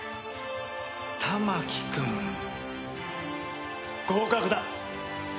玉置くん合格だ！